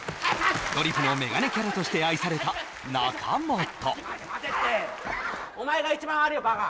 ドリフのメガネキャラとして愛された仲本お前が一番悪いよバカ！